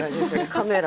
カメラ。